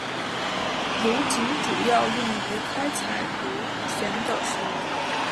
油井主要用于开采油田的石油。